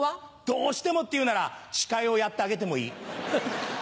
どうしてもっていうなら司会をやってあげてもいい。